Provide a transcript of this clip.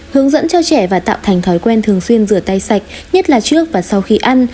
hướng dẫn cho trẻ và tạo thành thói quen thường xuyên rửa tay sạch nhất là trước và sau khi ăn